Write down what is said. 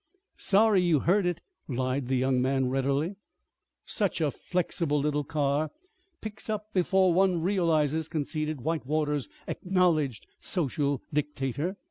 "Sorry you heard it," lied the young man readily. "Such a flexible little car picks up before one realizes," conceded Whitewater's acknowledged social dictator.